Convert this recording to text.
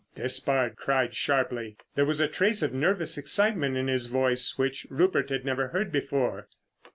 Despard cried sharply. There was a trace of nervous excitement in his voice which Rupert had never heard before.